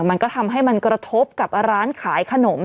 มันก็ทำให้มันกระทบกับร้านขายขนม